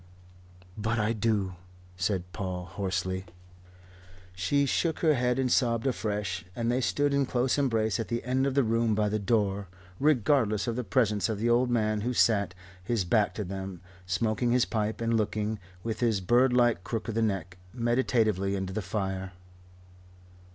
"But I do," said Paul hoarsely. She shook her head and sobbed afresh, and they stood in close embrace at the end of the room by the door, regardless of the presence of the old man who sat, his back to them, smoking his pipe and looking, with his birdlike crook of the neck, meditatively into the fire.